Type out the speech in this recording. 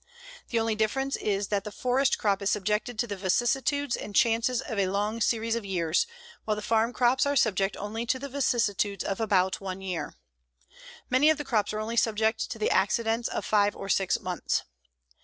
The only difference is that the forest crop is subjected to the vicissitudes and chances of a long series of years, while the farm crops are subject only to the vicissitudes of about one year. Many of the crops are only subject to the accidents of five or six months.